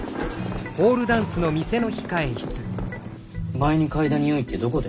前に嗅いだ匂いってどこで？